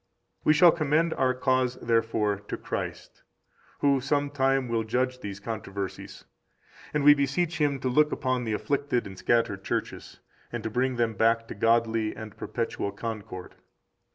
19 We shall commend our cause, therefore, to Christ, who some time will judge these controversies, and we beseech Him to look upon the afflicted and scattered churches, and to bring them back to godly and perpetual concord.